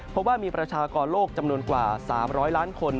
เพราะว่ามีประชากรโลกจำนวนกว่า๓๐๐ล้านคน